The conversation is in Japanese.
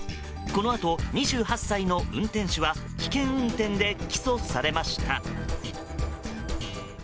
このあと、２８歳の運転手は危険運転で起訴されました。